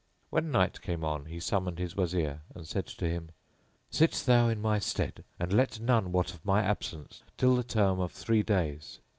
When night came on he summoned his Wazir and said to him, "Sit thou in my stead and let none wot of my absence till the term of three days."